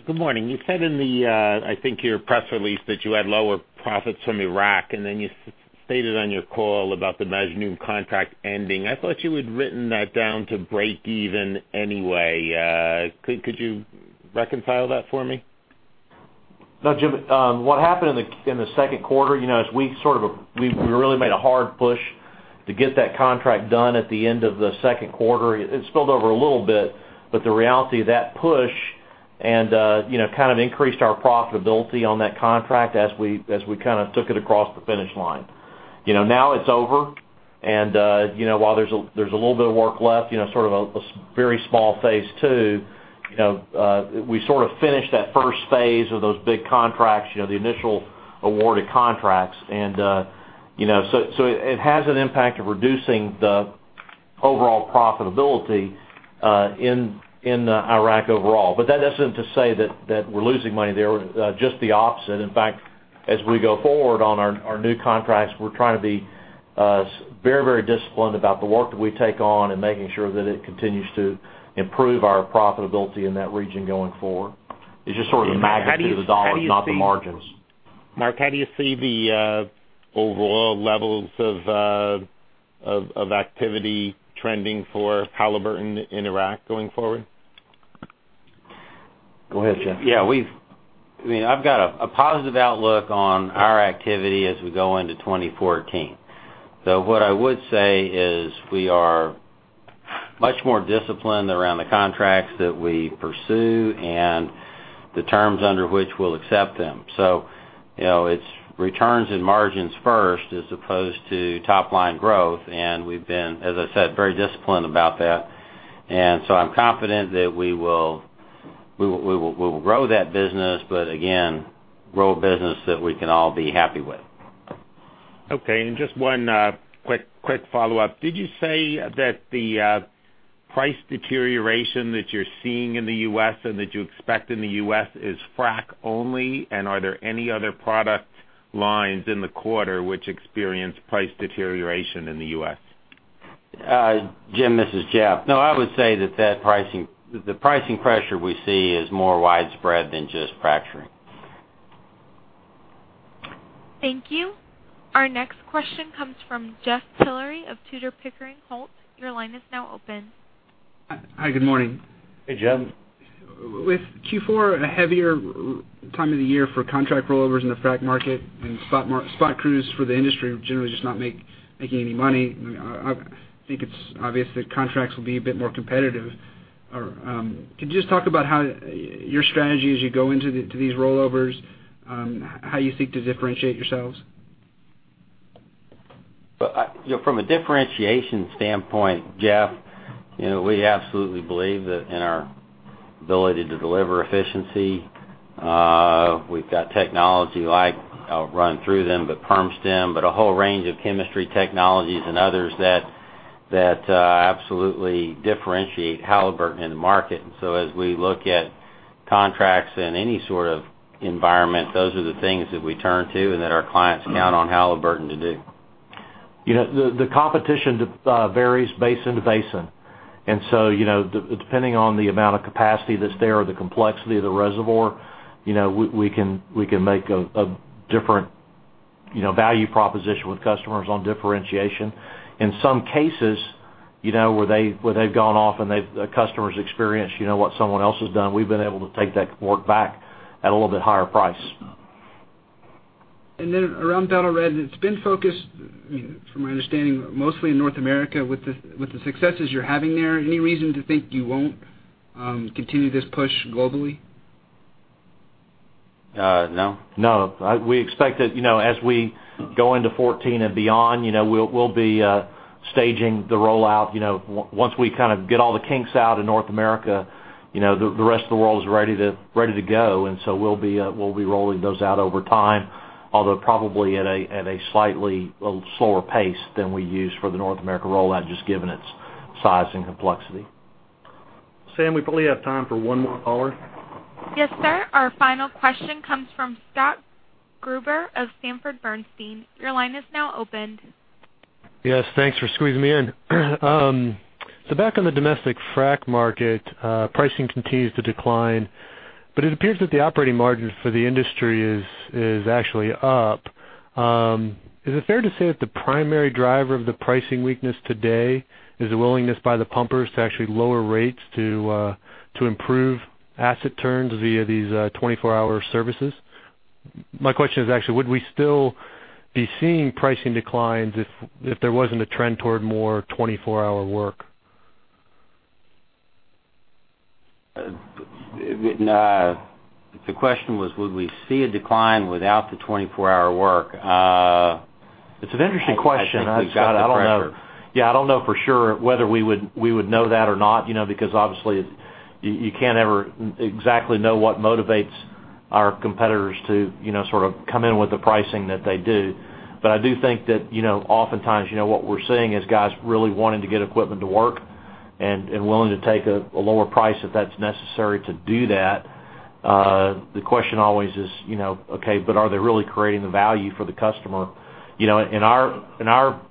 Good morning. You said in, I think, your press release that you had lower profits from Iraq. You stated on your call about the Majnoon contract ending. I thought you had written that down to break even anyway. Could you reconcile that for me?
No, Jim, what happened in the second quarter is we really made a hard push to get that contract done at the end of the second quarter. It spilled over a little bit. The reality of that push kind of increased our profitability on that contract as we kind of took it across the finish line. While there's a little bit of work left, sort of a very small phase 2, we sort of finished that first phase of those big contracts, the initial awarded contracts. It has an impact of reducing the overall profitability in Iraq overall. That isn't to say that we're losing money there, just the opposite. In fact, as we go forward on our new contracts, we're trying to be very disciplined about the work that we take on and making sure that it continues to improve our profitability in that region going forward. It's just sort of the magnitude of the dollars, not the margins.
Mark, how do you see the overall levels of activity trending for Halliburton in Iraq going forward?
Go ahead, Jeff. Yeah. I've got a positive outlook on our activity as we go into 2014. What I would say is we are much more disciplined around the contracts that we pursue and the terms under which we'll accept them. It's returns and margins first as opposed to top-line growth, and we've been, as I said, very disciplined about that. I'm confident that we will grow that business, but again, grow a business that we can all be happy with.
Okay. Just one quick follow-up. Did you say that the price deterioration that you're seeing in the U.S. and that you expect in the U.S. is frack only? Are there any other product lines in the quarter which experienced price deterioration in the U.S.?
Jim, this is Jeff. No, I would say that the pricing pressure we see is more widespread than just fracturing.
Thank you. Our next question comes from Jeff Tillery of Tudor, Pickering, Holt. Your line is now open.
Hi, good morning.
Hey, Jeff.
With Q4 a heavier time of the year for contract rollovers in the frac market and spot crews for the industry generally just not making any money, I think it's obvious that contracts will be a bit more competitive. Could you just talk about your strategy as you go into these rollovers, how you seek to differentiate yourselves?
From a differentiation standpoint, Jeff, we absolutely believe in our ability to deliver efficiency. We've got technology like, I'll run through them, but PermStim, but a whole range of chemistry technologies and others that absolutely differentiate Halliburton in the market. As we look at contracts in any sort of environment, those are the things that we turn to and that our clients count on Halliburton to do.
The competition varies basin to basin. Depending on the amount of capacity that's there or the complexity of the reservoir, we can make a different value proposition with customers on differentiation. In some cases, where they've gone off and the customer's experienced what someone else has done, we've been able to take that work back at a little bit higher price.
Around Battle Red, it's been focused, from my understanding, mostly in North America. With the successes you're having there, any reason to think you won't continue this push globally?
No. No. We expect that as we go into 2014 and beyond, we'll be staging the rollout. Once we kind of get all the kinks out in North America
The rest of the world is ready to go. We'll be rolling those out over time, although probably at a slightly slower pace than we used for the North America rollout, just given its size and complexity.
Sam, we probably have time for one more caller.
Yes, sir. Our final question comes from Scott Gruber of Sanford C. Bernstein. Your line is now open.
Yes, thanks for squeezing me in. Back on the domestic frack market, pricing continues to decline, but it appears that the operating margin for the industry is actually up. Is it fair to say that the primary driver of the pricing weakness today is the willingness by the pumpers to actually lower rates to improve asset turns via these 24-hour services? My question is actually, would we still be seeing pricing declines if there wasn't a trend toward more 24-hour work?
The question was, would we see a decline without the 24-hour work?
It's an interesting question. I think we've got it. I don't know. I don't know for sure whether we would know that or not, because obviously, you can't ever exactly know what motivates our competitors to come in with the pricing that they do. I do think that oftentimes, what we're seeing is guys really wanting to get equipment to work and willing to take a lower price if that's necessary to do that. The question always is, okay, but are they really creating the value for the customer? In our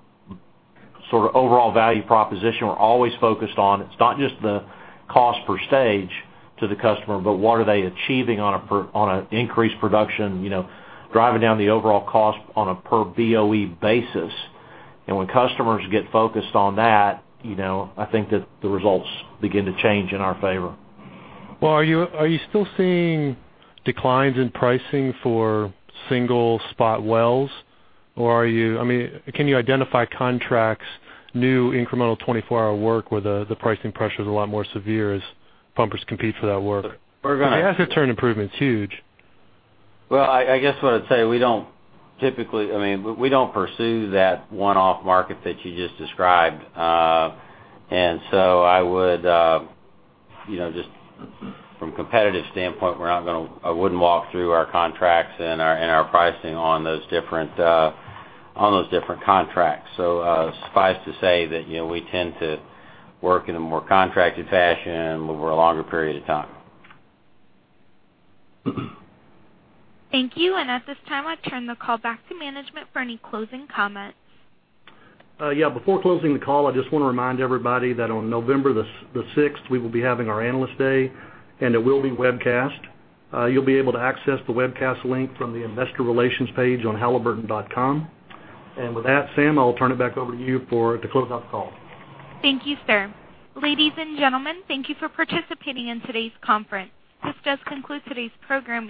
sort of overall value proposition, we're always focused on, it's not just the cost per stage to the customer, but what are they achieving on an increased production, driving down the overall cost on a per BOE basis. When customers get focused on that, I think that the results begin to change in our favor.
Well, are you still seeing declines in pricing for single spot wells? Can you identify contracts, new incremental 24-hour work where the pricing pressure is a lot more severe as pumpers compete for that work?
We're gonna-
The asset turn improvement's huge.
Well, I guess what I'd say, we don't pursue that one-off market that you just described. I would, just from competitive standpoint, I wouldn't walk through our contracts and our pricing on those different contracts. Suffice to say that we tend to work in a more contracted fashion and over a longer period of time.
Thank you. At this time, I turn the call back to management for any closing comments.
Yeah. Before closing the call, I just want to remind everybody that on November the 6th, we will be having our Analyst Day, and it will be webcast. You'll be able to access the webcast link from the investor relations page on halliburton.com. With that, Sam, I'll turn it back over to you to close out the call.
Thank you, sir. Ladies and gentlemen, thank you for participating in today's conference. This does conclude today's program.